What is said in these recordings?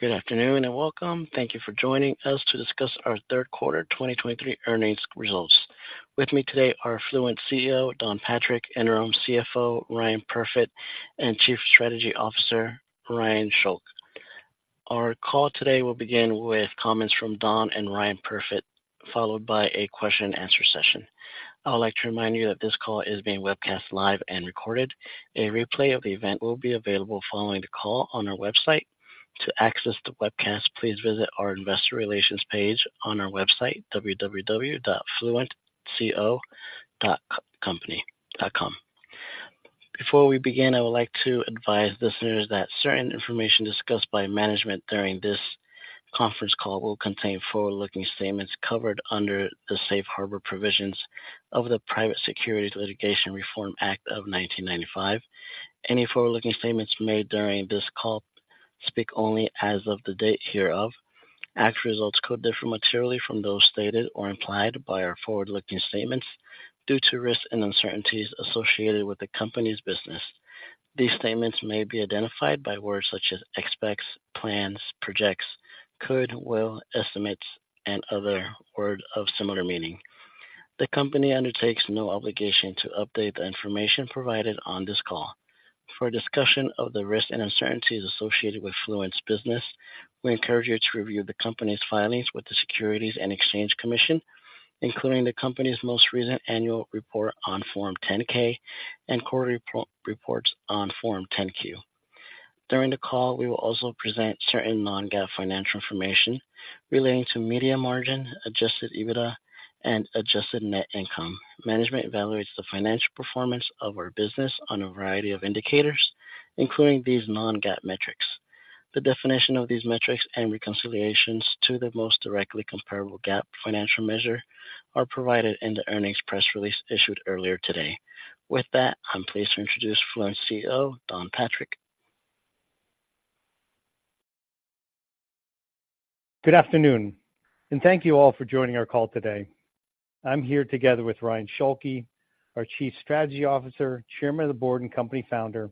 Good afternoon and welcome. Thank you for joining us to discuss our third quarter 2023 earnings results. With me today are Fluent's CEO, Don Patrick, Interim CFO, Ryan Perfit, and Chief Strategy Officer, Ryan Schulke. Our call today will begin with comments from Don and Ryan Perfit, followed by a question and answer session. I would like to remind you that this call is being webcast live and recorded. A replay of the event will be available following the call on our website. To access the webcast, please visit our investor relations page on our website, www.fluentco.com. Before we begin, I would like to advise listeners that certain information discussed by management during this conference call will contain forward-looking statements covered under the Safe Harbor Provisions of the Private Securities Litigation Reform Act of 1995. Any forward-looking statements made during this call speak only as of the date hereof. Actual results could differ materially from those stated or implied by our forward-looking statements due to risks and uncertainties associated with the company's business. These statements may be identified by words such as expects, plans, projects, could, will, estimates, and other words of similar meaning. The company undertakes no obligation to update the information provided on this call. For a discussion of the risks and uncertainties associated with Fluent's business, we encourage you to review the company's filings with the Securities and Exchange Commission, including the company's most recent annual report on Form 10-K and quarterly reports on Form 10-Q. During the call, we will also present certain non-GAAP financial information relating to Media Margin, Adjusted EBITDA, and Adjusted Net Income. Management evaluates the financial performance of our business on a variety of indicators, including these non-GAAP metrics. The definition of these metrics and reconciliations to the most directly comparable GAAP financial measure are provided in the earnings press release issued earlier today. With that, I'm pleased to introduce Fluent's CEO, Don Patrick. Good afternoon, and thank you all for joining our call today. I'm here together with Ryan Schulke, our Chief Strategy Officer, Chairman of the Board, and Company Founder,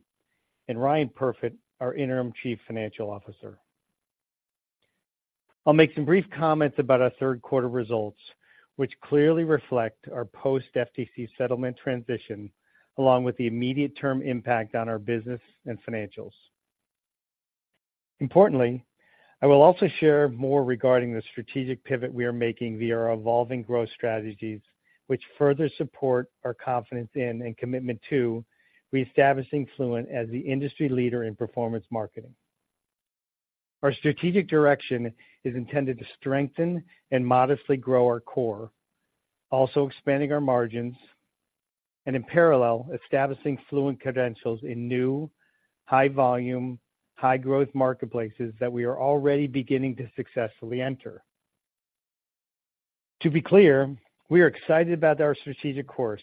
and Ryan Perfit, our Interim Chief Financial Officer. I'll make some brief comments about our third quarter results, which clearly reflect our post FTC settlement transition, along with the immediate term impact on our business and financials. Importantly, I will also share more regarding the strategic pivot we are making via our evolving growth strategies, which further support our confidence in and commitment to reestablishing Fluent as the industry leader in performance marketing. Our strategic direction is intended to strengthen and modestly grow our core, also expanding our margins, and in parallel, establishing Fluent credentials in new, high volume, high growth marketplaces that we are already beginning to successfully enter. To be clear, we are excited about our strategic course,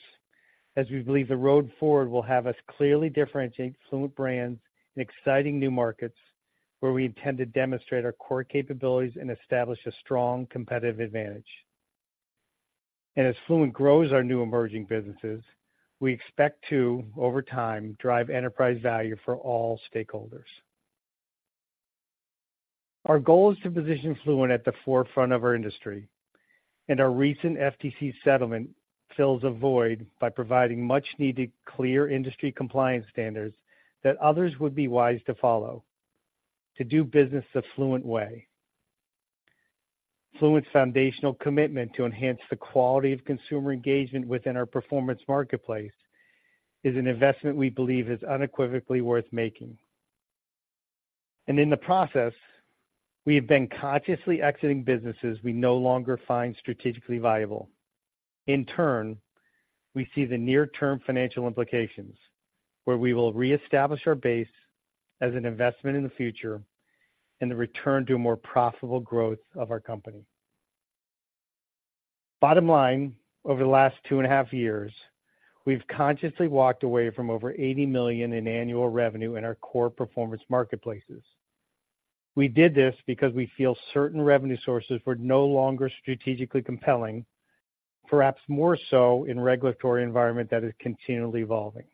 as we believe the road forward will have us clearly differentiate Fluent brands in exciting new markets, where we intend to demonstrate our core capabilities and establish a strong competitive advantage. As Fluent grows our new emerging businesses, we expect to, over time, drive enterprise value for all stakeholders. Our goal is to position Fluent at the forefront of our industry, and our recent FTC settlement fills a void by providing much-needed clear industry compliance standards that others would be wise to follow: to do business the Fluent way. Fluent's foundational commitment to enhance the quality of consumer engagement within our performance marketplace is an investment we believe is unequivocally worth making. In the process, we have been consciously exiting businesses we no longer find strategically viable. In turn, we see the near-term financial implications, where we will reestablish our base as an investment in the future and the return to a more profitable growth of our company. Bottom line, over the last two and a half years, we've consciously walked away from over 80 million in annual revenue in our core performance marketplaces. We did this because we feel certain revenue sources were no longer strategically compelling, perhaps more so in a regulatory environment that is continually evolving.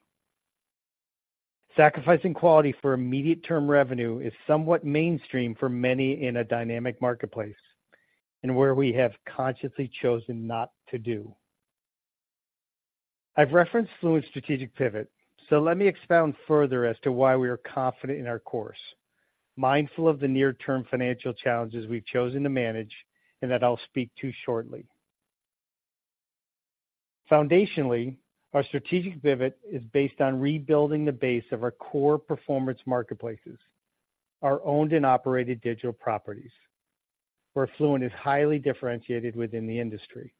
Sacrificing quality for immediate-term revenue is somewhat mainstream for many in a dynamic marketplace, and where we have consciously chosen not to do. I've referenced Fluent's strategic pivot, so let me expound further as to why we are confident in our course, mindful of the near-term financial challenges we've chosen to manage and that I'll speak to shortly. Foundationally, our strategic pivot is based on rebuilding the base of our core performance marketplaces, our owned and operated digital properties, where Fluent is highly differentiated within the industry.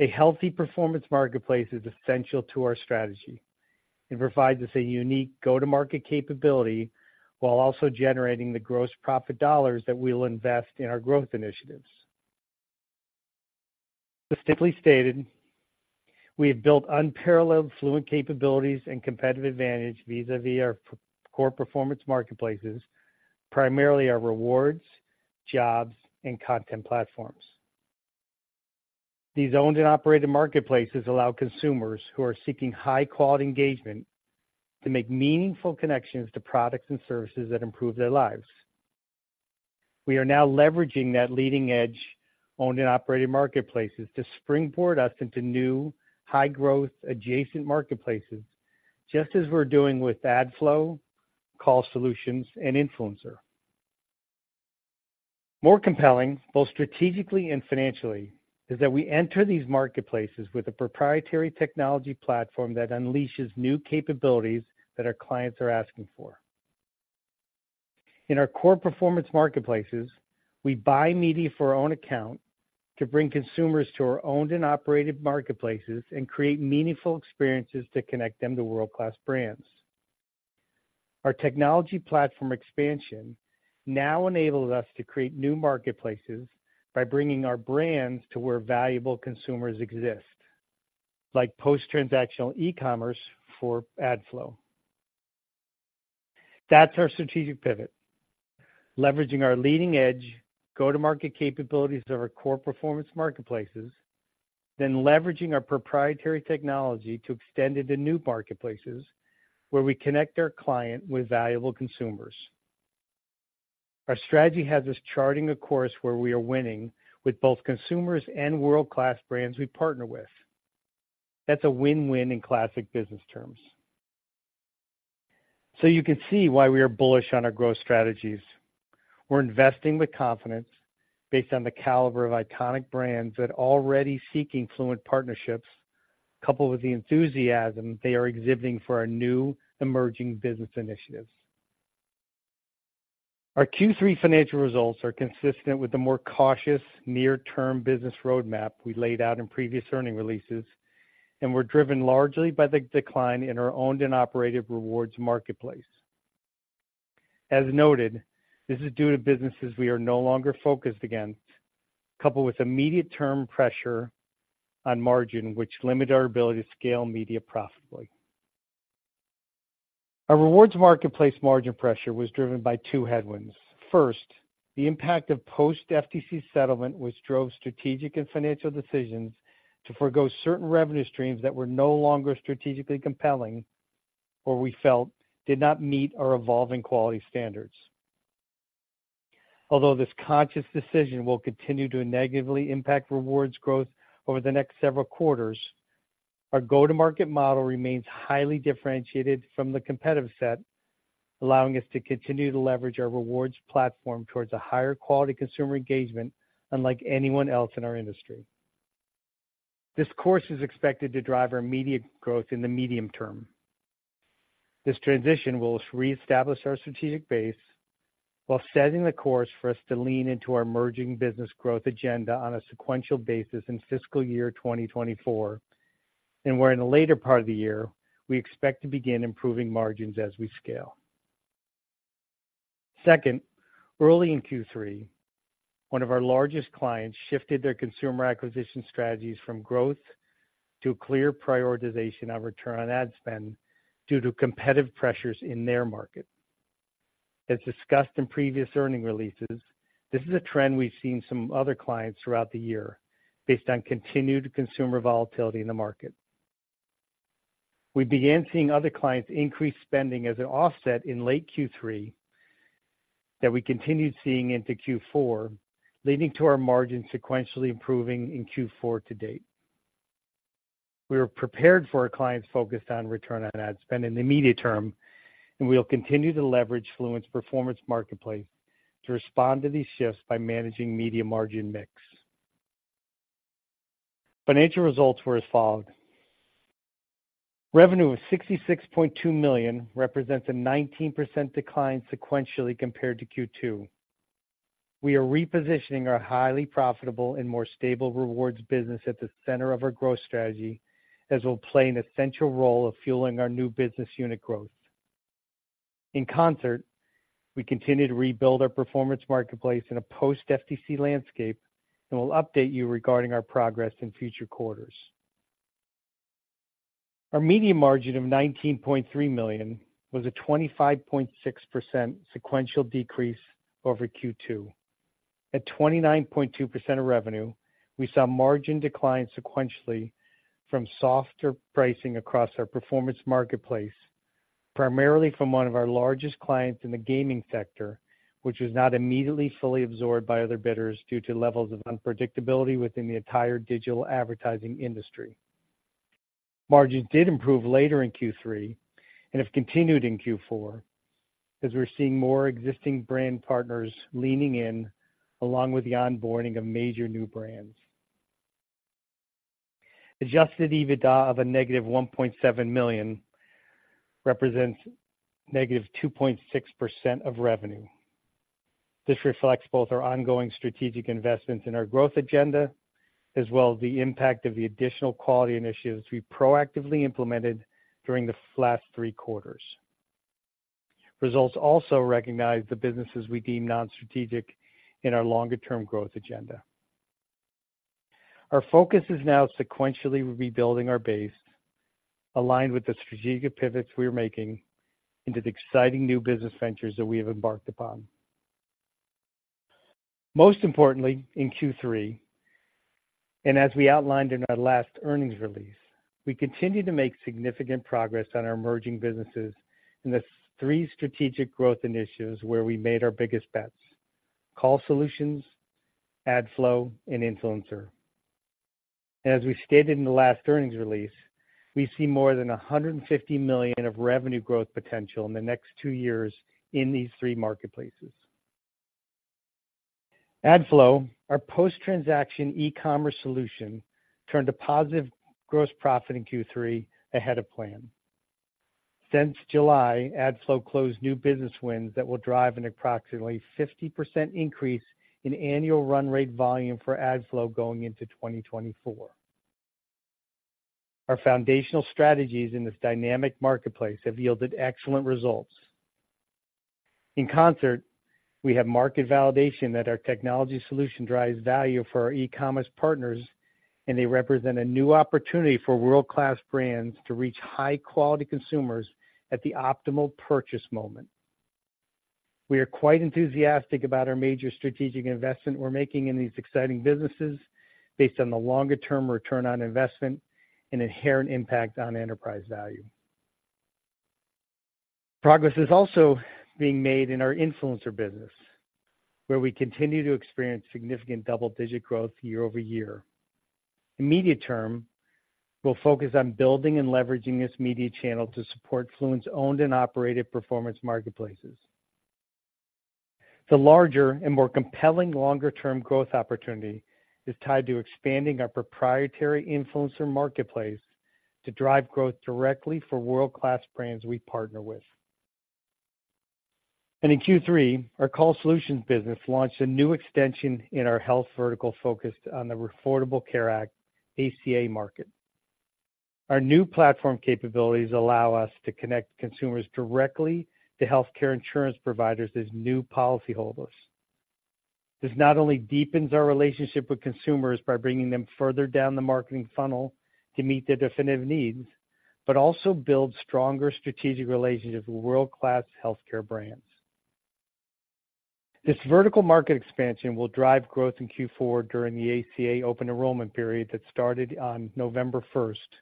A healthy performance marketplace is essential to our strategy. It provides us a unique go-to-market capability while also generating the gross profit dollars that we will invest in our growth initiatives. Specifically stated, we have built unparalleled Fluent capabilities and competitive advantage vis-à-vis our core performance marketplaces, primarily our rewards, jobs, and content platforms.... These owned and operated marketplaces allow consumers who are seeking high-quality engagement to make meaningful connections to products and services that improve their lives. We are now leveraging that leading-edge, owned and operated marketplaces to springboard us into new, high-growth, adjacent marketplaces, just as we're doing adflow, Call Solutions, and Influencer. More compelling, both strategically and financially, is that we enter these marketplaces with a proprietary technology platform that unleashes new capabilities that our clients are asking for. In our core performance marketplaces, we buy media for our own account to bring consumers to our owned and operated marketplaces and create meaningful experiences to connect them to world-class brands. Our technology platform expansion now enables us to create new marketplaces by bringing our brands to where valuable consumers exist, like post-transactional e-commerce AdFlow. that's our strategic pivot, leveraging our leading edge, go-to-market capabilities of our core performance marketplaces, then leveraging our proprietary technology to extend into new marketplaces where we connect our client with valuable consumers. Our strategy has us charting a course where we are winning with both consumers and world-class brands we partner with. That's a win-win in classic business terms. So you can see why we are bullish on our growth strategies. We're investing with confidence based on the caliber of iconic brands that are already seeking Fluent partnerships, coupled with the enthusiasm they are exhibiting for our new emerging business initiatives. Our Q3 financial results are consistent with the more cautious, near-term business roadmap we laid out in previous earnings releases and were driven largely by the decline in our Owned and Operated rewards marketplace. As noted, this is due to businesses we are no longer focused against, coupled with immediate-term pressure on margin, which limited our ability to scale media profitably. Our rewards marketplace margin pressure was driven by two headwinds. First, the impact of post-FTC settlement, which drove strategic and financial decisions to forego certain revenue streams that were no longer strategically compelling or we felt did not meet our evolving quality standards. Although this conscious decision will continue to negatively impact rewards growth over the next several quarters, our go-to-market model remains highly differentiated from the competitive set, allowing us to continue to leverage our rewards platform towards a higher quality consumer engagement, unlike anyone else in our industry. This course is expected to drive our immediate growth in the medium term. This transition will reestablish our strategic base while setting the course for us to lean into our emerging business growth agenda on a sequential basis in fiscal year 2024, and where in the later part of the year, we expect to begin improving margins as we scale. Second, early in Q3, one of our largest clients shifted their consumer acquisition strategies from growth to clear prioritization of return on ad spend due to competitive pressures in their market. As discussed in previous earnings releases, this is a trend we've seen some other clients throughout the year based on continued consumer volatility in the market. We began seeing other clients increase spending as an offset in late Q3 that we continued seeing into Q4, leading to our margins sequentially improving in Q4 to date. We are prepared for our clients focused on return on ad spend in the immediate term, and we will continue to leverage Fluent's performance marketplace to respond to these shifts by managing media margin mix. Financial results were as follows: Revenue of 66.2 million represents a 19% decline sequentially compared to Q2. We are repositioning our highly profitable and more stable rewards business at the center of our growth strategy, as it will play an essential role of fueling our new business unit growth. In concert, we continue to rebuild our performance marketplace in a post-FTC landscape, and we'll update you regarding our progress in future quarters. Our media margin of $19.3 million was a 25.6% sequential decrease over Q2. At 29.2% of revenue, we saw margin decline sequentially from softer pricing across our performance marketplace, primarily from one of our largest clients in the gaming sector, which was not immediately fully absorbed by other bidders due to levels of unpredictability within the entire digital advertising industry. Margins did improve later in Q3 and have continued in Q4 as we're seeing more existing brand partners leaning in along with the onboarding of major new brands. Adjusted EBITDA of -1.7 million represents -2.6% of revenue. This reflects both our ongoing strategic investments in our growth agenda as well as the impact of the additional quality initiatives we proactively implemented during the last three quarters. Results also recognize the businesses we deem non-strategic in our longer-term growth agenda. Our focus is now sequentially rebuilding our base, aligned with the strategic pivots we are making into the exciting new business ventures that we have embarked upon.... Most importantly, in Q3, and as we outlined in our last earnings release, we continue to make significant progress on our emerging businesses in the three strategic growth initiatives where we made our biggest bets: call AdFlow, and Influencer. And as we stated in the last earnings release, we see more than 150 million of revenue growth potential in the next two years in these three marketplaces. AdFlow, our post-transaction e-commerce solution, turned a positive gross profit in Q3 ahead of plan. Since AdFlow closed new business wins that will drive an approximately 50% increase in annual run rate volume AdFlow going into 2024. Our foundational strategies in this dynamic marketplace have yielded excellent results. In concert, we have market validation that our technology solution drives value for our e-commerce partners, and they represent a new opportunity for world-class brands to reach high-quality consumers at the optimal purchase moment. We are quite enthusiastic about our major strategic investment we're making in these exciting businesses based on the longer-term return on investment and inherent impact on enterprise value. Progress is also being made in our Influencer business, where we continue to experience significant double-digit growth year-over-year. In media term, we'll focus on building and leveraging this media channel to support Fluent's owned and operated performance marketplaces. The larger and more compelling longer-term growth opportunity is tied to expanding our proprietary Influencer marketplace to drive growth directly for world-class brands we partner with. In Q3, our Call Solutions business launched a new extension in our health vertical, focused on the Affordable Care Act, ACA market. Our new platform capabilities allow us to connect consumers directly to healthcare insurance providers as new policyholders. This not only deepens our relationship with consumers by bringing them further down the marketing funnel to meet their definitive needs, but also builds stronger strategic relationships with world-class healthcare brands. This vertical market expansion will drive growth in Q4 during the ACA open enrollment period that started on November first, and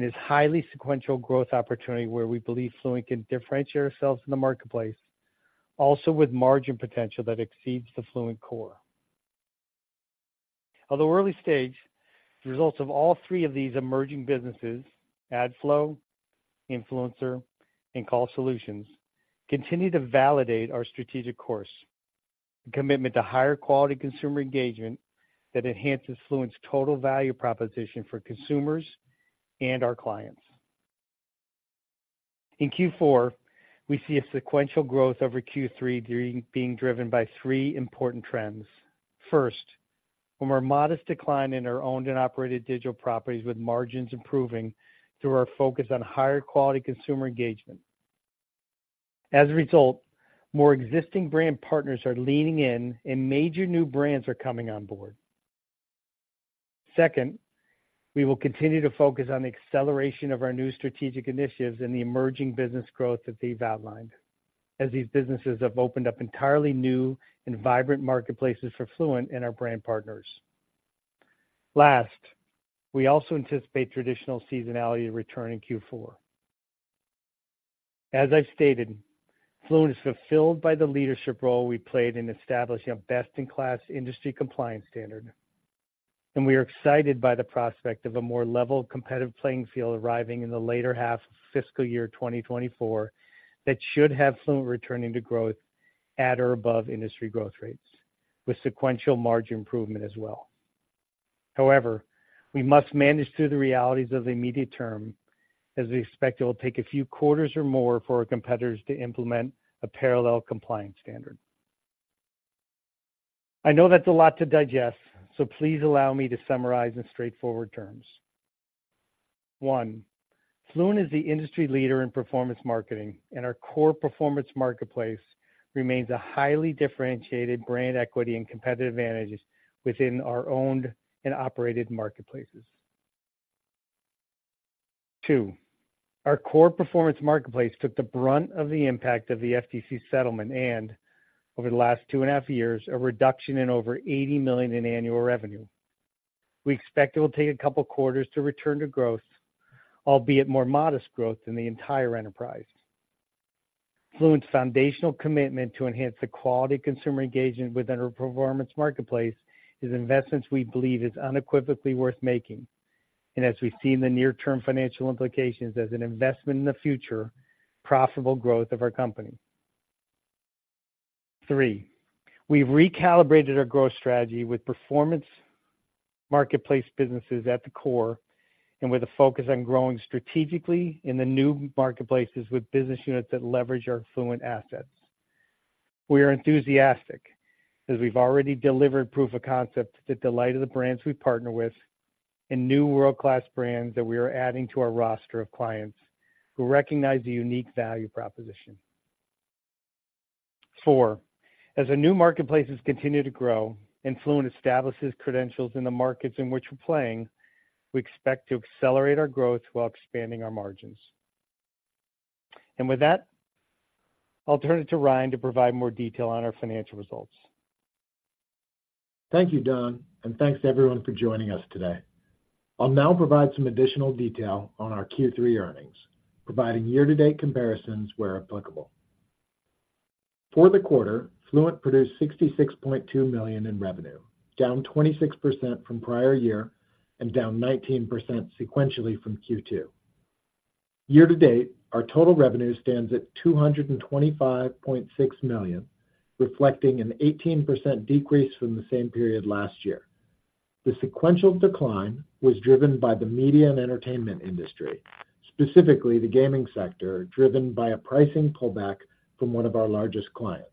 is highly sequential growth opportunity where we believe Fluent can differentiate ourselves in the marketplace, also with margin potential that exceeds the Fluent core. Although early stage, the results of all three of these emerging AdFlow, influencer and Call Solutions, continue to validate our strategic course and commitment to higher quality consumer engagement that enhances Fluent's total value proposition for consumers and our clients. In Q4, we see a sequential growth over Q3 being driven by three important trends. First, from our modest decline in our owned and operated digital properties, with margins improving through our focus on higher quality consumer engagement. As a result, more existing brand partners are leaning in, and major new brands are coming on board. Second, we will continue to focus on the acceleration of our new strategic initiatives and the emerging business growth that they've outlined, as these businesses have opened up entirely new and vibrant marketplaces for Fluent and our brand partners. Last, we also anticipate traditional seasonality to return in Q4. As I've stated, Fluent is fulfilled by the leadership role we played in establishing a best-in-class industry compliance standard, and we are excited by the prospect of a more level, competitive playing field arriving in the later half of fiscal year 2024. That should have Fluent returning to growth at or above industry growth rates, with sequential margin improvement as well. However, we must manage through the realities of the immediate term, as we expect it will take a few quarters or more for our competitors to implement a parallel compliance standard. I know that's a lot to digest, so please allow me to summarize in straightforward terms. One, Fluent is the industry leader in performance marketing, and our core performance marketplace remains a highly differentiated brand equity and competitive advantages within our owned and operated marketplaces. Two, our core performance marketplace took the brunt of the impact of the FTC settlement and over the last 2.5 years, a reduction in over 80 million in annual revenue. We expect it will take a couple quarters to return to growth, albeit more modest growth in the entire enterprise. Fluent's foundational commitment to enhance the quality consumer engagement within our performance marketplace is investments we believe is unequivocally worth making, and as we've seen the near-term financial implications as an investment in the future, profitable growth of our company. Three, we've recalibrated our growth strategy with performance marketplace businesses at the core and with a focus on growing strategically in the new marketplaces with business units that leverage our Fluent assets. We are enthusiastic as we've already delivered proof of concept to the delight of the brands we partner with, and new world-class brands that we are adding to our roster of clients who recognize the unique value proposition. Four, as the new marketplaces continue to grow and Fluent establishes credentials in the markets in which we're playing, we expect to accelerate our growth while expanding our margins. With that, I'll turn it to Ryan to provide more detail on our financial results. Thank you, Don, and thanks to everyone for joining us today. I'll now provide some additional detail on our Q3 earnings, providing year-to-date comparisons where applicable. For the quarter, Fluent produced 66.2 million in revenue, down 26% from prior year and down 19% sequentially from Q2. Year to date, our total revenue stands at 225.6 million, reflecting an 18% decrease from the same period last year. The sequential decline was driven by the media and entertainment industry, specifically the gaming sector, driven by a pricing pullback from one of our largest clients.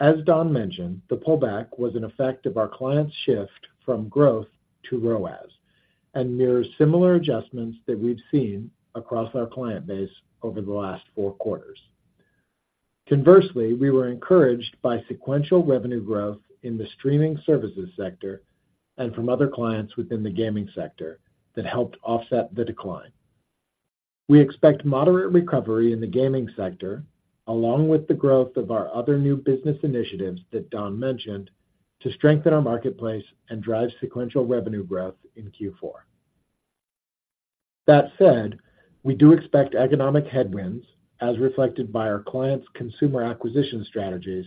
As Don mentioned, the pullback was an effect of our client's shift from growth to ROAS, and mirrors similar adjustments that we've seen across our client base over the last four quarters. Conversely, we were encouraged by sequential revenue growth in the streaming services sector and from other clients within the gaming sector that helped offset the decline. We expect moderate recovery in the gaming sector, along with the growth of our other new business initiatives that Don mentioned, to strengthen our marketplace and drive sequential revenue growth in Q4. That said, we do expect economic headwinds, as reflected by our clients' consumer acquisition strategies,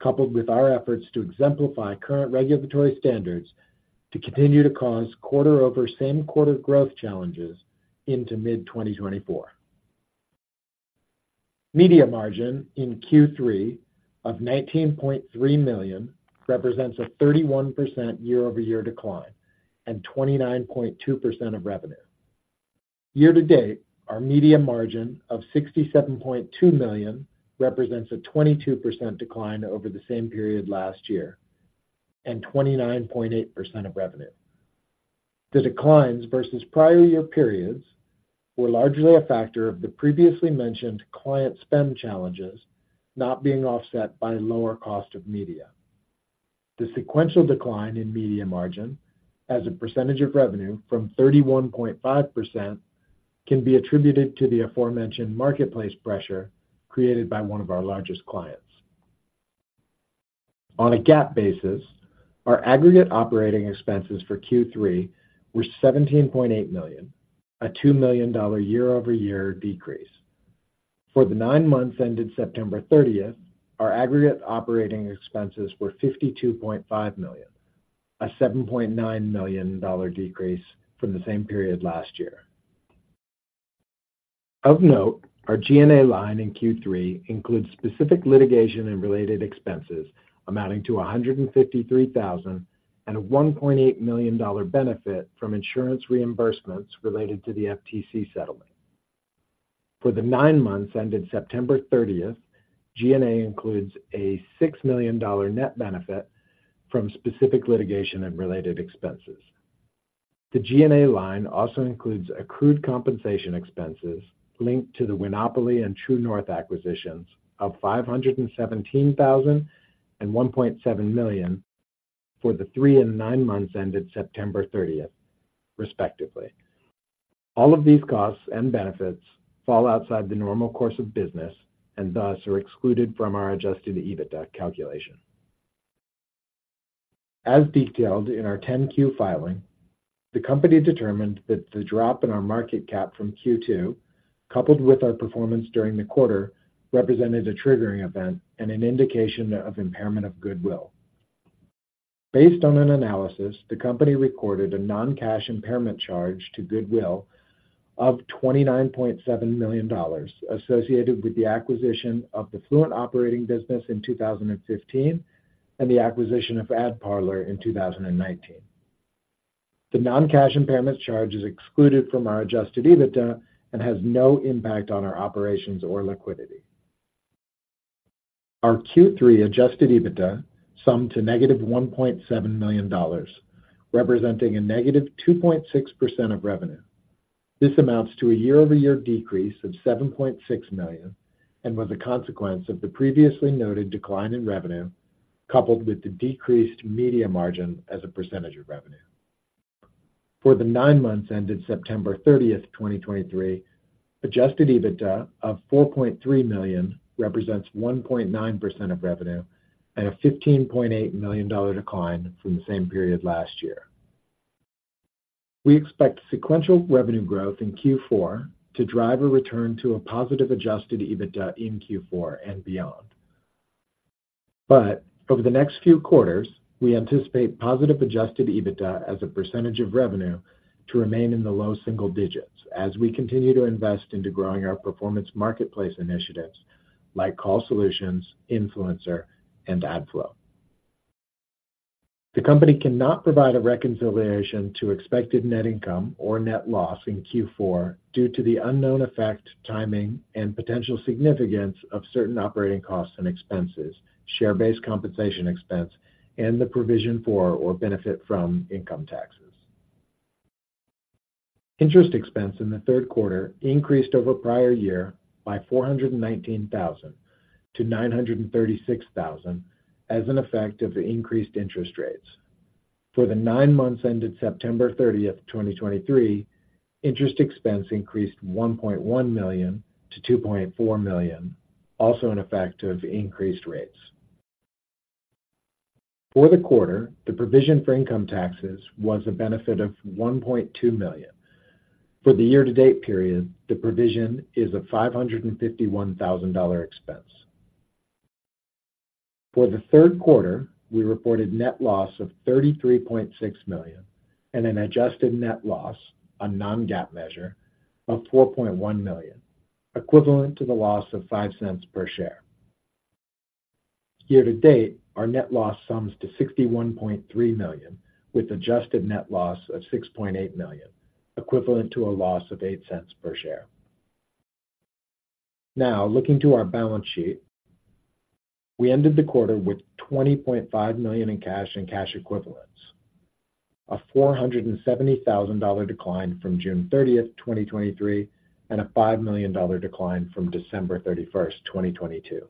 coupled with our efforts to exemplify current regulatory standards, to continue to cause quarter-over-same quarter growth challenges into mid-2024. Media margin in Q3 of 19.3 million represents a 31% year-over-year decline and 29.2% of revenue. Year-to-date, our media margin of 67.2 million represents a 22% decline over the same period last year, and 29.8% of revenue. The declines versus prior year periods were largely a factor of the previously mentioned client spend challenges not being offset by lower cost of media. The sequential decline in media margin as a percentage of revenue from 31.5% can be attributed to the aforementioned marketplace pressure created by one of our largest clients. On a GAAP basis, our aggregate operating expenses for Q3 were 17.8 million, a $2 million year-over-year decrease. For the nine months ended September 30th, our aggregate operating expenses were 52.5 million, a $7.9 million decrease from the same period last year. Of note, our G&A line in Q3 includes specific litigation and related expenses amounting to 153,000 and a $1.8 million benefit from insurance reimbursements related to the FTC settlement. For the nine months ended September 30, G&A includes a $6 million net benefit from specific litigation and related expenses. The G&A line also includes accrued compensation expenses linked to the Winopoly and True North acquisitions of 517,000 and 1.7 million for the three and nine months ended September 30, respectively. All of these costs and benefits fall outside the normal course of business and thus are excluded from our Adjusted EBITDA calculation. As detailed in our 10-Q filing, the company determined that the drop in our market cap from Q2, coupled with our performance during the quarter, represented a triggering event and an indication of impairment of goodwill. Based on an analysis, the company recorded a non-cash impairment charge to goodwill of 29.7 million, associated with the acquisition of the Fluent operating business in 2015 and the acquisition of AdParlor in 2019. The non-cash impairment charge is excluded from our Adjusted EBITDA and has no impact on our operations or liquidity. Our Q3 Adjusted EBITDA summed to -$1.7 million, representing a -2.6% of revenue. This amounts to a year-over-year decrease of 7.6 million and was a consequence of the previously noted decline in revenue, coupled with the decreased Media Margin as a percentage of revenue. For the nine months ended September thirtieth, 2023, Adjusted EBITDA of 4.3 million represents 1.9% of revenue and a $15.8 million decline from the same period last year. We expect sequential revenue growth in Q4 to drive a return to a positive Adjusted EBITDA in Q4 and beyond. But over the next few quarters, we anticipate positive Adjusted EBITDA as a percentage of revenue to remain in the low single digits as we continue to invest into growing our performance marketplace initiatives like Call Solutions, Influencer, AdFlow. the company cannot provide a reconciliation to expected net income or net loss in Q4 due to the unknown effect, timing, and potential significance of certain operating costs and expenses, share-based compensation expense, and the provision for or benefit from income taxes. Interest expense in the third quarter increased over prior year by 419,000-936,000 as an effect of the increased interest rates. For the nine months ended September 30, 2023, interest expense increased 1.1 million-2.4 million, also an effect of increased rates. For the quarter, the provision for income taxes was a benefit of 1.2 million. For the year-to-date period, the provision is a $551,000 expense. For the third quarter, we reported net loss of 33.6 million and an adjusted net loss, a non-GAAP measure, of 4.1 million, equivalent to the loss of 0.05 per share. Year-to-date, our net loss sums to 61.3 million, with adjusted net loss of 6.8 million, equivalent to a loss of 0.08 per share. Now, looking to our balance sheet, we ended the quarter with 20.5 million in cash and cash equivalents, a $470,000 decline from June 30th, 2023, and a $5 million decline from December 31st, 2022.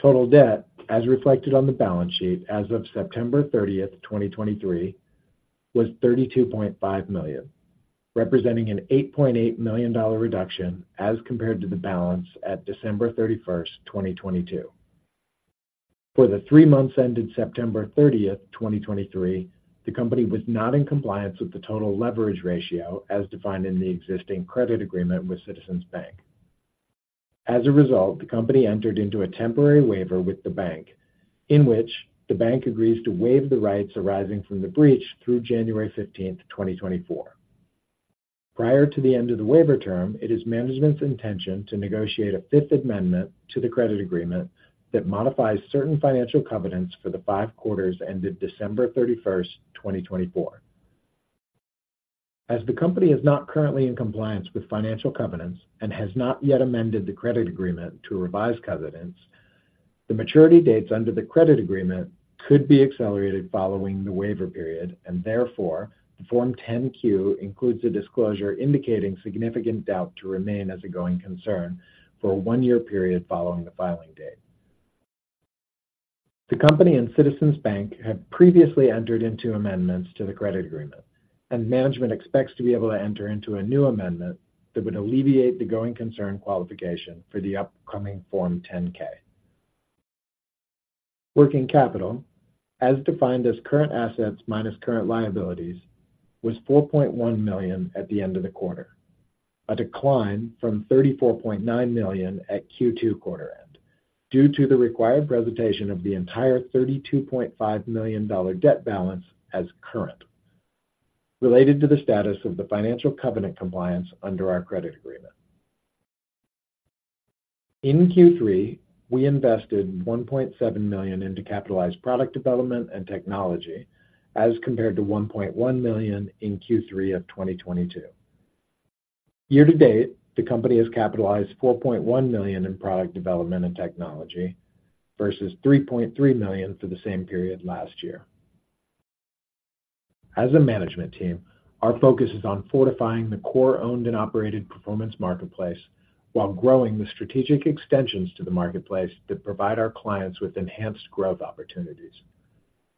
Total debt, as reflected on the balance sheet as of September 30th, 2023, was 32.5 million, representing an $8.8 million reduction as compared to the balance at December 31st, 2022. For the three months ended September 30th, 2023, the company was not in compliance with the total leverage ratio as defined in the existing credit agreement with Citizens Bank. As a result, the company entered into a temporary waiver with the bank, in which the bank agrees to waive the rights arising from the breach through January 15, 2024. Prior to the end of the waiver term, it is management's intention to negotiate a fifth amendment to the credit agreement that modifies certain financial covenants for the five quarters ended December 31, 2024. As the company is not currently in compliance with financial covenants and has not yet amended the credit agreement to revise covenants, the maturity dates under the credit agreement could be accelerated following the waiver period, and therefore, the Form 10-Q includes a disclosure indicating significant doubt to remain as a going concern for a one year period following the filing date. The company and Citizens Bank had previously entered into amendments to the credit agreement, and management expects to be able to enter into a new amendment that would alleviate the Going Concern qualification for the upcoming Form 10-K. Working capital, as defined as current assets minus current liabilities, was 4.1 million at the end of the quarter, a decline from 34.9 million at Q2 quarter end, due to the required presentation of the entire $32.5 million debt balance as current, related to the status of the financial covenant compliance under our credit agreement. In Q3, we invested 1.7 million into capitalized product development and technology, as compared to 1.1 million in Q3 of 2022. Year-to-date, the company has capitalized 4.1 million in product development and technology versus 3.3 million for the same period last year. As a management team, our focus is on fortifying the core owned and operated performance marketplace, while growing the strategic extensions to the marketplace that provide our clients with enhanced growth opportunities.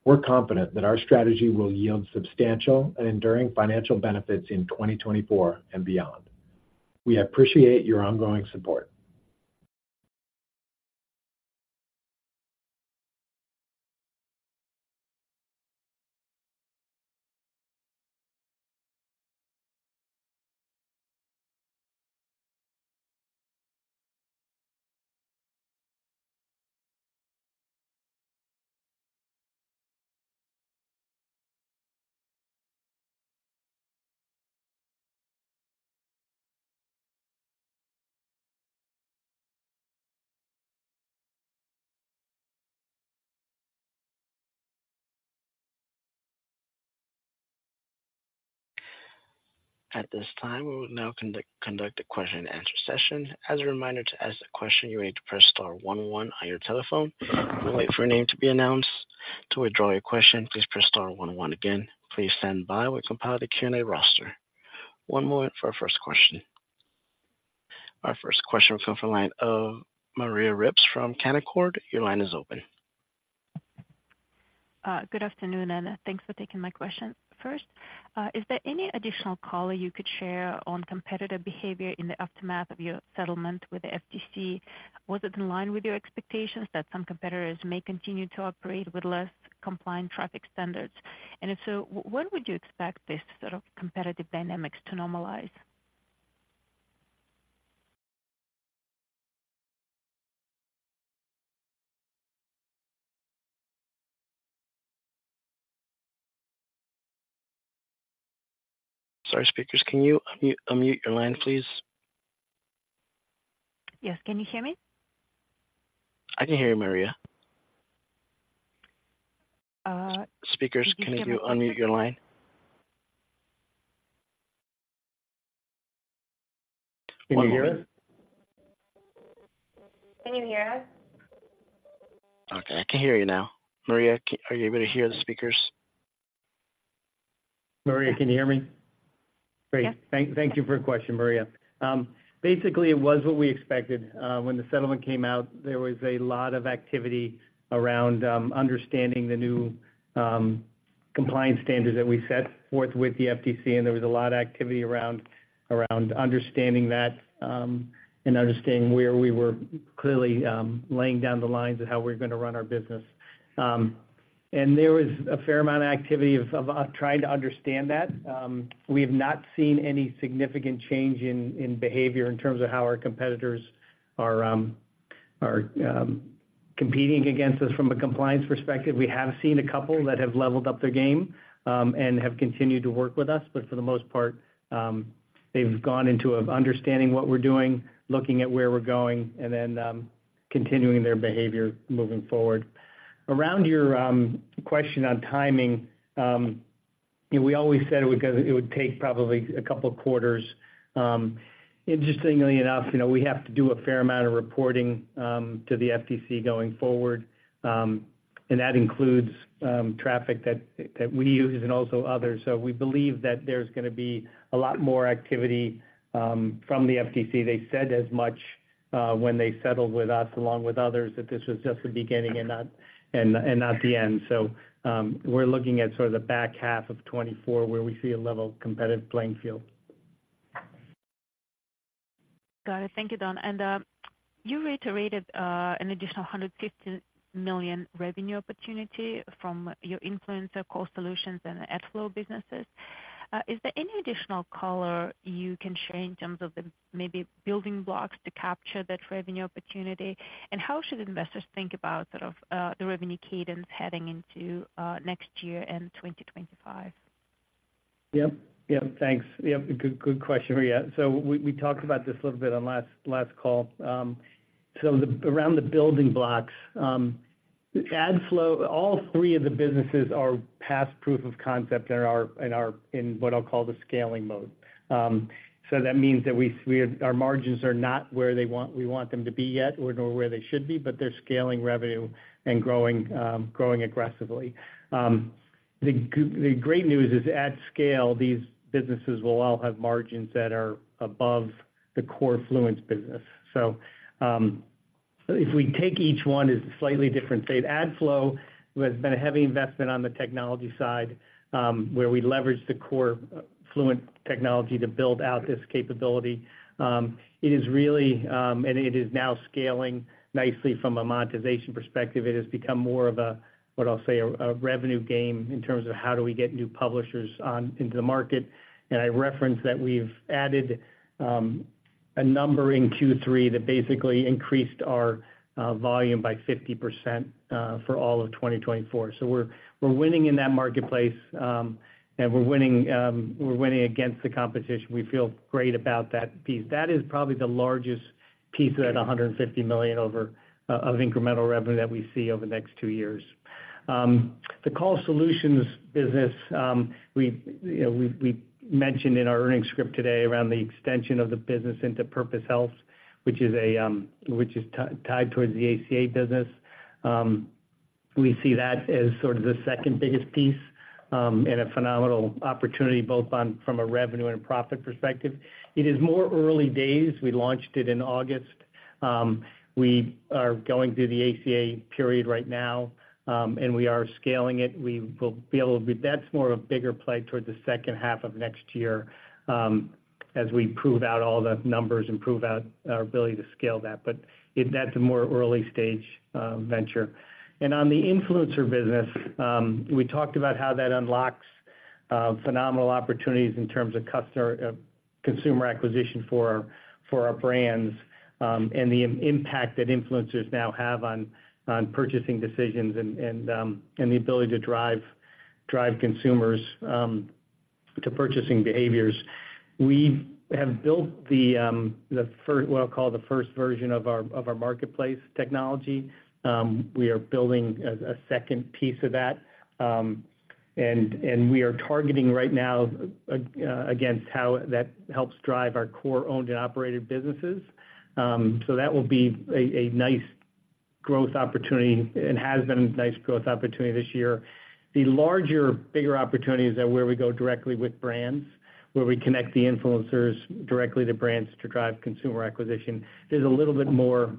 We're confident that our strategy will yield substantial and enduring financial benefits in 2024 and beyond. We appreciate your ongoing support. At this time, we will now conduct a question and answer session. As a reminder, to ask a question, you need to press star one one on your telephone and wait for your name to be announced. To withdraw your question, please press star one one again. Please stand by while we compile the Q&A roster. One moment for our first question. Our first question comes from the line of Maria Ripps from Canaccord Genuity. Your line is open. Good afternoon, and thanks for taking my question. First, is there any additional color you could share on competitive behavior in the aftermath of your settlement with the FTC? Was it in line with your expectations that some competitors may continue to operate with less compliant traffic standards? And if so, when would you expect this sort of competitive dynamics to normalize? Sorry, speakers, can you unmute, unmute your line, please? Yes. Can you hear me? I can hear you, Maria. Uh- Speakers, can you unmute your line? Can you hear us? Can you hear us? Okay, I can hear you now. Maria, are you able to hear the speakers?... Maria, can you hear me? Great. Yes. Thank you for your question, Maria. Basically, it was what we expected. When the settlement came out, there was a lot of activity around understanding the new compliance standards that we set forth with the FTC, and there was a lot of activity around understanding that, and understanding where we were clearly laying down the lines of how we're gonna run our business. And there was a fair amount of activity of trying to understand that. We have not seen any significant change in behavior in terms of how our competitors are competing against us from a compliance perspective. We have seen a couple that have leveled up their game and have continued to work with us. But for the most part, they've gone into understanding what we're doing, looking at where we're going, and then continuing their behavior moving forward. Around your question on timing, we always said it would take probably a couple of quarters. Interestingly enough, you know, we have to do a fair amount of reporting to the FTC going forward, and that includes traffic that we use and also others. So we believe that there's gonna be a lot more activity from the FTC. They said as much when they settled with us, along with others, that this was just the beginning and not the end. So we're looking at sort of the back half of 2024, where we see a level competitive playing field. Got it. Thank you, Don. And you reiterated an additional 150 million revenue opportunity from your Influencer core solutions and AdFlow businesses. Is there any additional color you can share in terms of the maybe building blocks to capture that revenue opportunity? And how should investors think about sort of the revenue cadence heading into next year and 2025? Yep. Yep, thanks. Yep, good, good question, Maria. So we talked about this a little bit on last call. So, around the building AdFlow, all three of the businesses are past proof of concept and are in what I'll call the scaling mode. So that means that we, our margins are not where they want—we want them to be yet or where they should be, but they're scaling revenue and growing aggressively. The great news is, at scale, these businesses will all have margins that are above the core Fluent business. So, if we take each one, it's a slightly different AdFlow has been a heavy investment on the technology side, where we leverage the core Fluent technology to build out this capability. It is really, and it is now scaling nicely from a monetization perspective. It has become more of a, what I'll say, a revenue game in terms of how do we get new publishers on into the market. And I referenced that we've added a number in Q3 that basically increased our volume by 50% for all of 2024. So we're winning in that marketplace, and we're winning against the competition. We feel great about that piece. That is probably the largest piece of that 150 million of incremental revenue that we see over the next two years. The Call Solutions business, we, you know, we, we mentioned in our earnings script today around the extension of the business into Performance Health, which is a, which is tied towards the ACA business. We see that as sort of the second biggest piece, and a phenomenal opportunity, both on from a revenue and profit perspective. It is more early days. We launched it in August. We are going through the ACA period right now, and we are scaling it. We will be able to... But that's more of a bigger play towards the second half of next year, as we prove out all the numbers and prove out our ability to scale that. But it, that's a more early stage, venture. And on the influencer business, we talked about how that unlocks phenomenal opportunities in terms of customer, consumer acquisition for our, for our brands, and the impact that influencers now have on purchasing decisions and the ability to drive consumers to purchasing behaviors. We have built the what I'll call the first version of our, of our marketplace technology. We are building a second piece of that, and we are targeting right now against how that helps drive our core owned and operated businesses. So that will be a nice growth opportunity and has been a nice growth opportunity this year. The larger, bigger opportunities are where we go directly with brands, where we connect the influencers directly to brands to drive consumer acquisition. There's a little bit more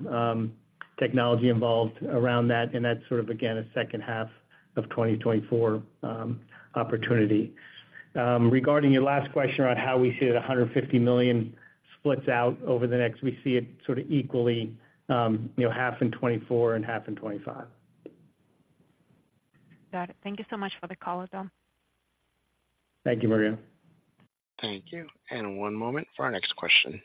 technology involved around that, and that's sort of, again, a second half of 2024 opportunity. Regarding your last question about how we see the 150 million splits out over the next, we see it sort of equally, you know, half in 2024 and half in 2025. Got it. Thank you so much for the color, Don. Thank you, Maria. Thank you. One moment for our next question.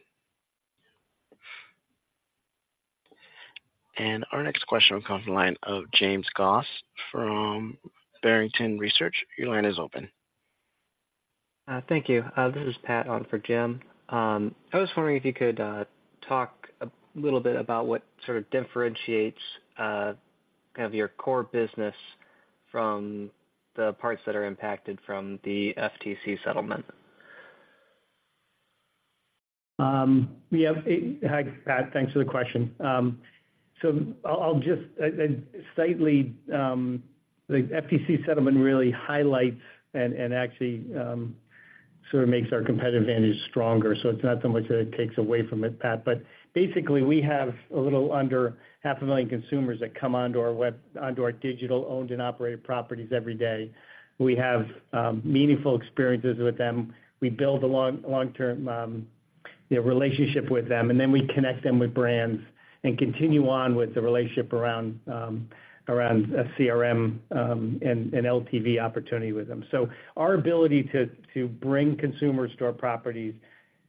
Our next question will come from the line of James Goss from Barrington Research. Your line is open. Thank you. This is Pat on for Jim. I was wondering if you could talk a little bit about what sort of differentiates kind of your core business from the parts that are impacted from the FTC settlement?... Yeah, hey, hi, Pat, thanks for the question. So the FTC settlement really highlights and actually sort of makes our competitive advantage stronger. So it's not so much that it takes away from it, Pat. But basically, we have a little under 500,000 consumers that come onto our digital owned and operated properties every day. We have meaningful experiences with them. We build a long-term relationship with them, and then we connect them with brands and continue on with the relationship around a CRM and LTV opportunity with them. So our ability to bring consumers to our properties,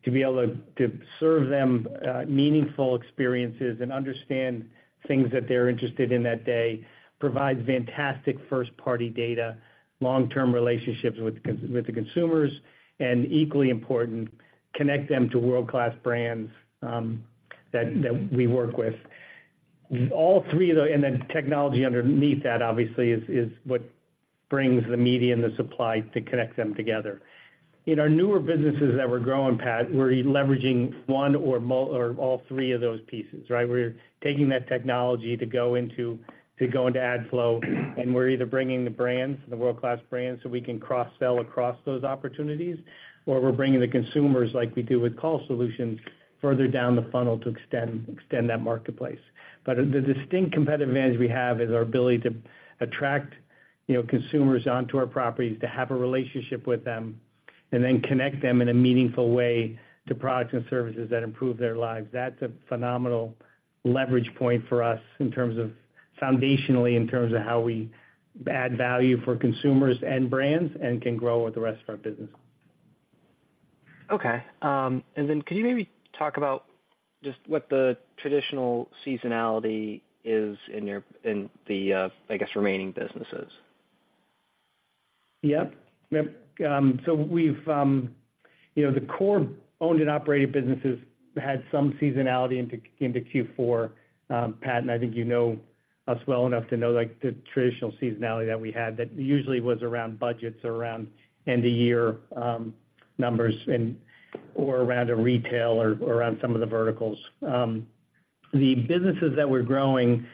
to be able to serve them meaningful experiences and understand things that they're interested in that day, provides fantastic first-party data, long-term relationships with the consumers, and equally important, connect them to world-class brands that we work with. All three of those, and then technology underneath that, obviously, is what brings the media and the supply to connect them together. In our newer businesses that we're growing, Pat, we're leveraging one or multiple or all three of those pieces, right? We're taking that technology to go AdFlow, and we're either bringing the brands, the world-class brands, so we can cross-sell across those opportunities, or we're bringing the consumers like we do with Call Solutions, further down the funnel to extend that marketplace. The distinct competitive advantage we have is our ability to attract, you know, consumers onto our properties, to have a relationship with them, and then connect them in a meaningful way to products and services that improve their lives. That's a phenomenal leverage point for us in terms of, foundationally, in terms of how we add value for consumers and brands and can grow with the rest of our business. Okay, and then could you maybe talk about just what the traditional seasonality is in your, I guess, remaining businesses? Yep. Yep, so we've, you know, the core owned and operated businesses had some seasonality into Q4. Pat, and I think you know us well enough to know, like, the traditional seasonality that we had, that usually was around budgets or around end-of-year numbers or around a retail or around some of the verticals. The businesses that we're growing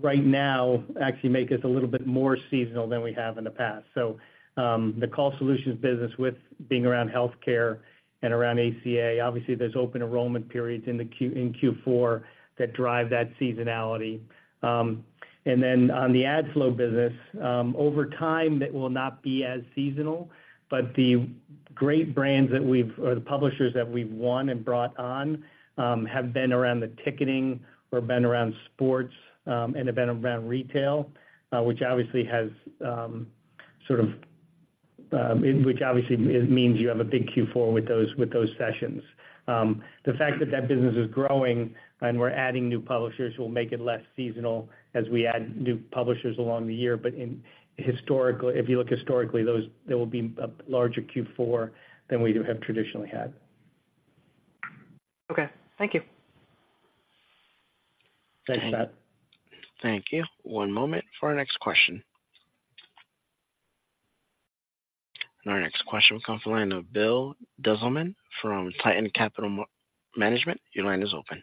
right now actually make us a little bit more seasonal than we have in the past. So, the Call Solutions business with being around healthcare and around ACA, obviously, there's open enrollment periods in Q4 that drive that seasonality. Then on AdFlow business, over time, it will not be as seasonal, but the great brands that we've, or the publishers that we've won and brought on, have been around the ticketing or been around sports, and have been around retail, which obviously has sort of, which obviously means you have a big Q4 with those, with those sessions. The fact that that business is growing and we're adding new publishers, will make it less seasonal as we add new publishers along the year. But if you look historically, there will be a larger Q4 than we do have traditionally had. Okay. Thank you. Thanks, Pat. Thank you. One moment for our next question. Our next question comes from the line of Bill Dezellem from Tieton Capital Management. Your line is open.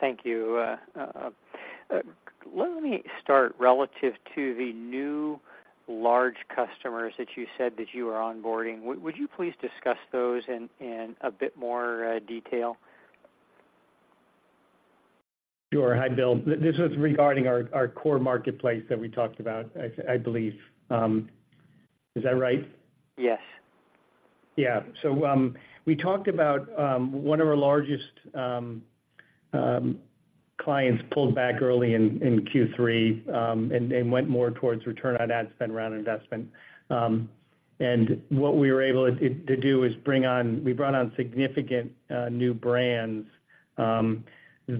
Thank you. Let me start relative to the new large customers that you said that you are onboarding. Would you please discuss those in a bit more detail? Sure. Hi, Bill. This was regarding our core marketplace that we talked about, I believe, is that right? Yes. Yeah. So, we talked about, one of our largest clients pulled back early in, in Q3, and, and went more towards return on ad spend, ROI investment. And what we were able to, to do is bring on, we brought on significant, new brands,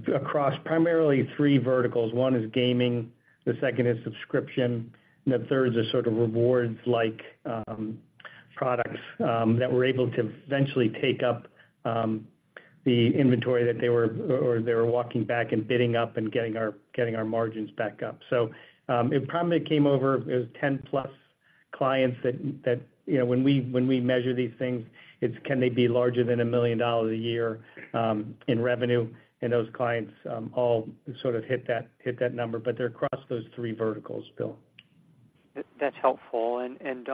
across primarily three verticals. One is gaming, the second is subscription, and the third is a sort of rewards like, products, that we're able to eventually take up, the inventory that they were, or they were walking back and bidding up and getting our, getting our margins back up. So, it probably came over as 10+ clients that, that, you know, when we, when we measure these things, it's can they be larger than $1 million a year, in revenue? Those clients all sort of hit that, hit that number, but they're across those three verticals, Bill. That's helpful. And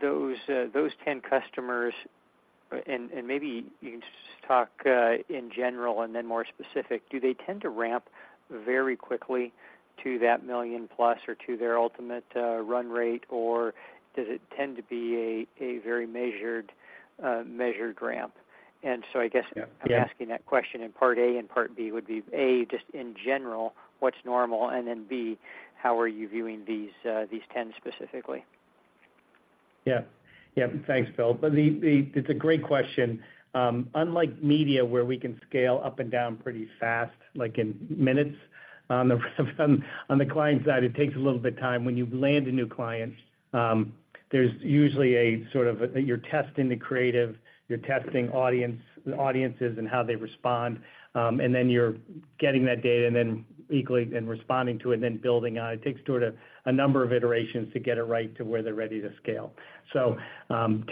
Don, those 10 customers, and maybe you can just talk in general and then more specific: Do they tend to ramp very quickly to that million plus or to their ultimate run rate? Or does it tend to be a very measured ramp? And so I guess- Yeah. I'm asking that question in part A and part B, would be, A, just in general, what's normal? And then, B, how are you viewing these, these ten specifically? Yeah. Yeah, thanks, Bill. But it's a great question. Unlike media, where we can scale up and down pretty fast, like in minutes, on the client side, it takes a little bit of time. When you land a new client, there's usually a sort of... You're testing the creative, you're testing audience, audiences, and how they respond. And then you're getting that data and then equally, and responding to it, and then building on it. It takes sort of a number of iterations to get it right to where they're ready to scale.... So,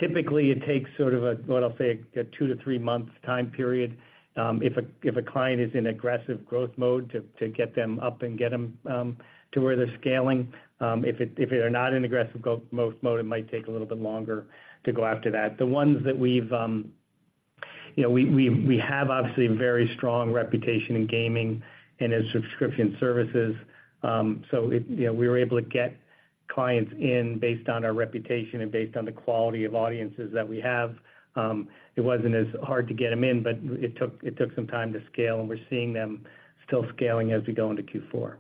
typically it takes sort of a, what I'll say, a two-three-month time period, if a client is in aggressive growth mode to get them up and get them to where they're scaling. If they are not in aggressive go-mode, it might take a little bit longer to go after that. The ones that we've, you know, we have obviously a very strong reputation in gaming and in subscription services. So, you know, we were able to get clients in based on our reputation and based on the quality of audiences that we have. It wasn't as hard to get them in, but it took some time to scale, and we're seeing them still scaling as we go into Q4.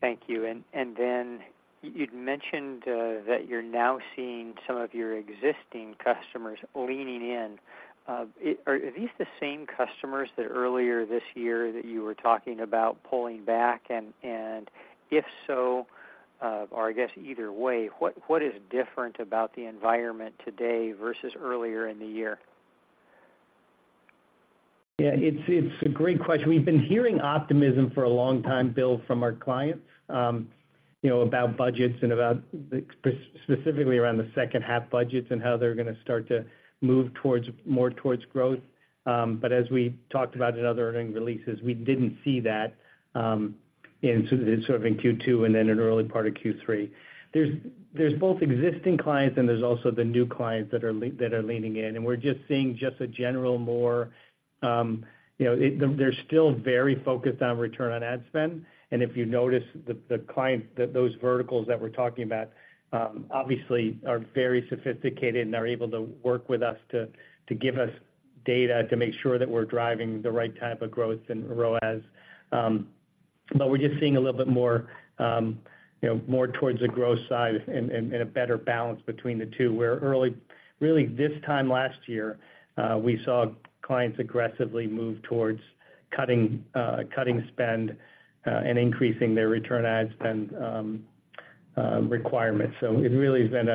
Thank you. And then you'd mentioned that you're now seeing some of your existing customers leaning in. Are these the same customers that earlier this year that you were talking about pulling back? And if so, or I guess either way, what is different about the environment today versus earlier in the year? Yeah, it's a great question. We've been hearing optimism for a long time, Bill, from our clients, you know, about budgets and about specifically around the second half budgets and how they're gonna start to move towards more towards growth. But as we talked about in other earnings releases, we didn't see that in sort of in Q2 and then in early part of Q3. There's both existing clients and there's also the new clients that are leaning in, and we're just seeing just a general more, you know... They're still very focused on return on ad spend. And if you notice, the clients, those verticals that we're talking about, obviously are very sophisticated and are able to work with us to give us data to make sure that we're driving the right type of growth in ROAS. But we're just seeing a little bit more, you know, more towards the growth side and a better balance between the two, where early really this time last year, we saw clients aggressively move towards cutting spend and increasing their return on ad spend requirements. So it really has been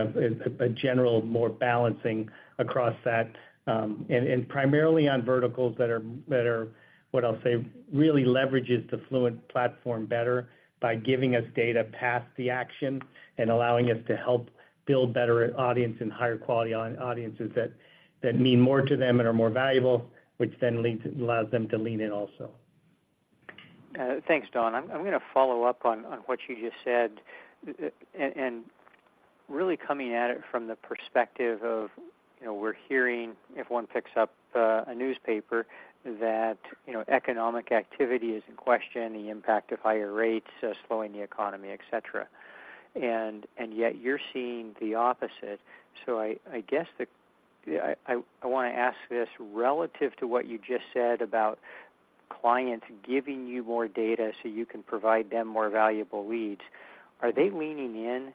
a general more balancing across that, and primarily on verticals that are what I'll say really leverages the Fluent platform better by giving us data past the action and allowing us to help build better audience and higher quality on audiences that mean more to them and are more valuable, which then leads, allows them to lean in also. Thanks, Don. I'm gonna follow up on what you just said, and really coming at it from the perspective of, you know, we're hearing, if one picks up a newspaper, that, you know, economic activity is in question, the impact of higher rates slowing the economy, et cetera. And yet you're seeing the opposite. So I want to ask this: Relative to what you just said about clients giving you more data so you can provide them more valuable leads, are they leaning in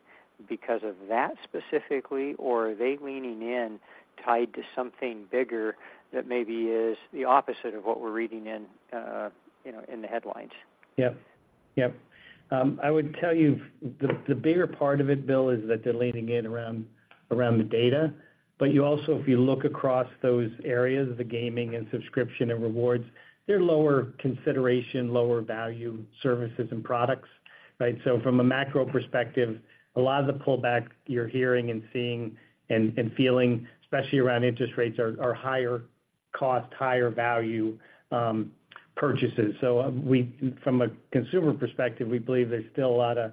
because of that specifically, or are they leaning in tied to something bigger that maybe is the opposite of what we're reading in, you know, in the headlines? Yep. Yep. I would tell you the bigger part of it, Bill, is that they're leaning in around the data. But you also, if you look across those areas, the gaming and subscription and rewards, they're lower consideration, lower value services and products, right? So from a macro perspective, a lot of the pullback you're hearing and seeing and feeling, especially around interest rates, are higher cost, higher value purchases. So, from a consumer perspective, we believe there's still a lot of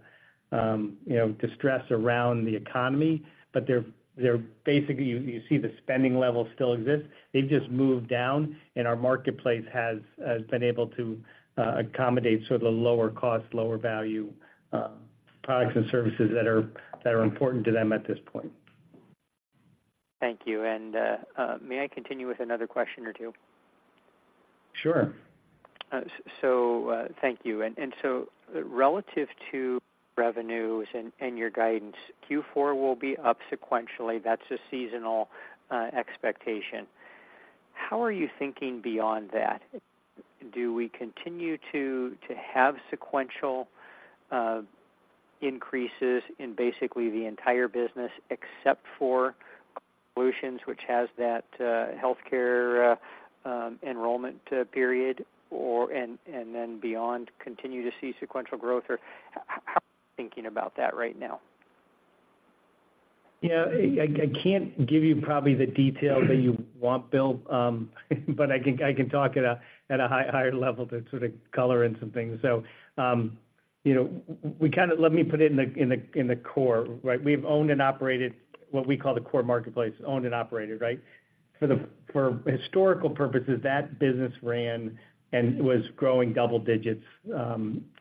you know, distress around the economy, but they're basically, you see the spending level still exists. They've just moved down, and our marketplace has been able to accommodate sort of the lower cost, lower value products and services that are important to them at this point. Thank you. And may I continue with another question or two? Sure. So, thank you. And so relative to revenues and your guidance, Q4 will be up sequentially. That's a seasonal expectation. How are you thinking beyond that? Do we continue to have sequential increases in basically the entire business except for solutions, which has that healthcare enrollment period, or, and then beyond, continue to see sequential growth, or how are you thinking about that right now? Yeah, I can't give you probably the detail that you want, Bill, but I can talk at a higher level to sort of color in some things. So, you know, let me put it in the core, right? We've owned and operated what we call the core marketplace, owned and operated, right? For historical purposes, that business ran and was growing double digits,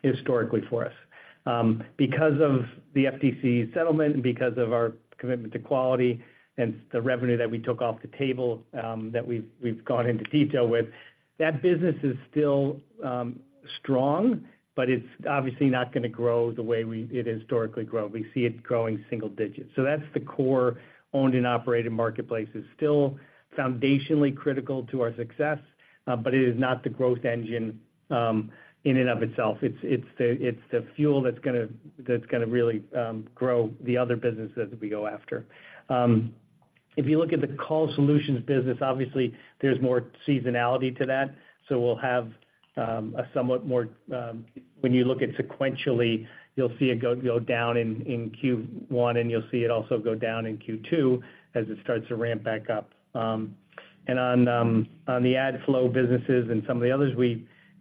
historically for us. Because of the FTC settlement and because of our commitment to quality and the revenue that we took off the table, that we've gone into detail with, that business is still strong, but it's obviously not gonna grow the way it historically grew. We see it growing single digits. So that's the core owned and operated marketplace. It's still foundationally critical to our success, but it is not the growth engine in and of itself. It's the fuel that's gonna really grow the other businesses that we go after. If you look at the Call Solutions business, obviously there's more seasonality to that. So we'll have a somewhat more, when you look at sequentially, you'll see it go down in Q1, and you'll see it also go down in Q2 as it starts to ramp back up. And on AdFlow businesses and some of the others,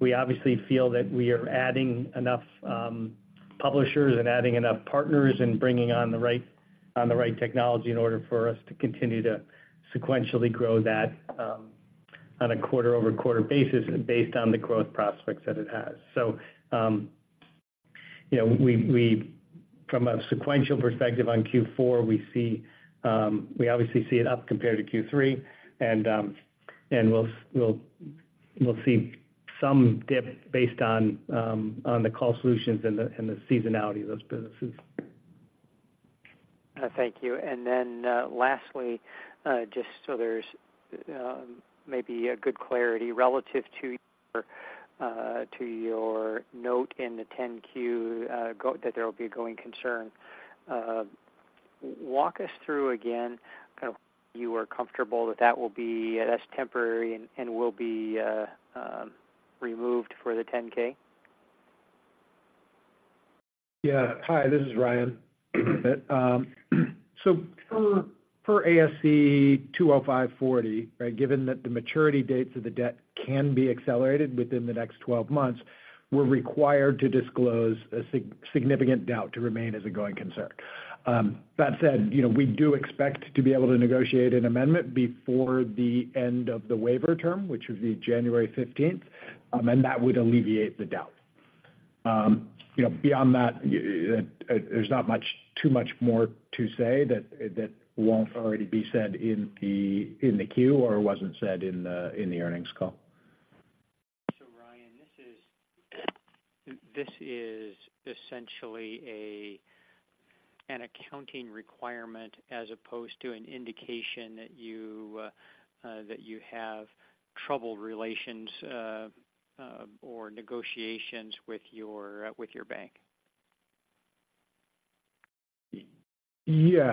we obviously feel that we are adding enough publishers and adding enough partners and bringing on the right technology in order for us to continue to sequentially grow that on a quarter-over-quarter basis and based on the growth prospects that it has. So, you know, we from a sequential perspective on Q4, we see we obviously see it up compared to Q3, and we'll see some dip based on on the Call Solutions and the seasonality of those businesses. Thank you. And then, lastly, just so there's maybe a good clarity relative to your note in the 10-Q, that there will be a going concern. Walk us through again, kind of you are comfortable that that will be, that's temporary and will be removed for the 10-K? Yeah. Hi, this is Ryan. So for ASC 205-40, right? Given that the maturity dates of the debt can be accelerated within the next 12 months, we're required to disclose a significant doubt to remain as a going concern. That said, you know, we do expect to be able to negotiate an amendment before the end of the waiver term, which would be January fifteenth, and that would alleviate the doubt. You know, beyond that, there's not much too much more to say that won't already be said in the 10-Q or wasn't said in the earnings call. So Ryan, this is essentially an accounting requirement as opposed to an indication that you have troubled relations or negotiations with your bank. Yeah,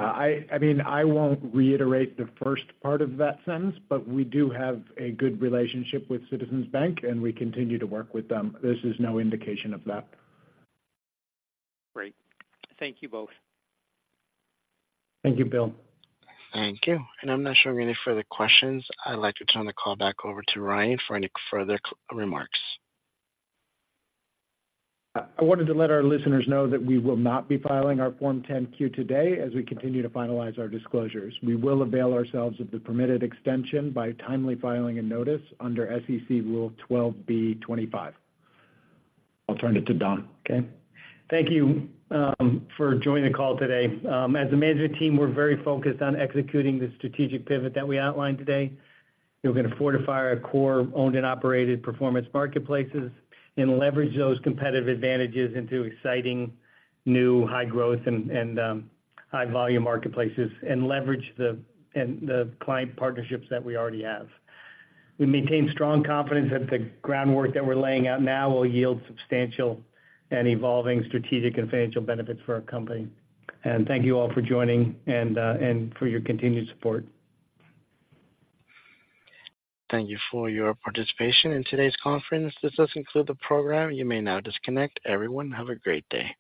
I mean, I won't reiterate the first part of that sentence, but we do have a good relationship with Citizens Bank, and we continue to work with them. This is no indication of that. Great. Thank you, both. Thank you, Bill. Thank you. I'm not showing any further questions. I'd like to turn the call back over to Ryan for any further closing remarks. I wanted to let our listeners know that we will not be filing our Form 10-Q today as we continue to finalize our disclosures. We will avail ourselves of the permitted extension by timely filing a notice under SEC Rule 12b-25. I'll turn it to Don. Okay? Thank you, for joining the call today. As a management team, we're very focused on executing the strategic pivot that we outlined today. We're gonna fortify our core owned and operated marketplaces and leverage those competitive advantages into exciting, new, high growth and high volume marketplaces and leverage the client partnerships that we already have. We maintain strong confidence that the groundwork that we're laying out now will yield substantial and evolving strategic and financial benefits for our company. Thank you all for joining and for your continued support. Thank you for your participation in today's conference. This does conclude the program. You may now disconnect. Everyone, have a great day.